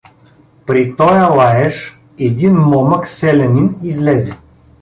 При тоя лаеж един момък селянин излезе.